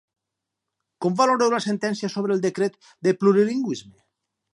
Com valoreu la sentència sobre el decret de plurilingüisme?